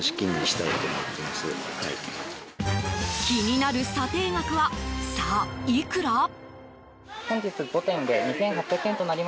気になる査定額はさあ、いくら？